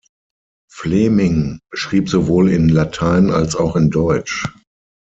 Fleming schrieb sowohl in Latein als auch in Deutsch.